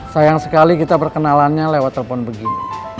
sayang sekali kita perkenalannya lewat telepon begini